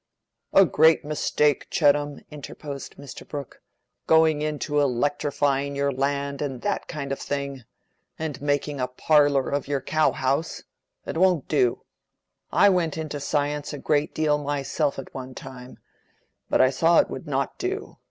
"A great mistake, Chettam," interposed Mr. Brooke, "going into electrifying your land and that kind of thing, and making a parlor of your cow house. It won't do. I went into science a great deal myself at one time; but I saw it would not do.